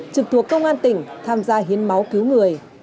trực thuộc công an tỉnh tham gia hiến máu cứu người